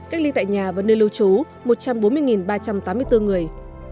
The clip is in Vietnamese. cách ly tại nhà và nơi lưu trú một trăm bốn mươi ba trăm tám mươi bốn người